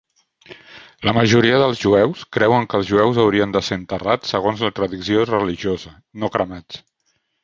La majoria dels jueus creuen que els jueus haurien de ser enterrats segons la tradició religiosa, no cremats.